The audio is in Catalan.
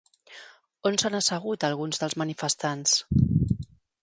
On s'han assegut alguns dels manifestants?